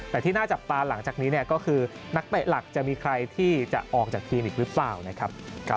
แต่ที่น่าจับตาหลังจากนี้ก็คือนักเตะหลักจะมีใครที่จะออกจากทีมอีกหรือเปล่านะครับ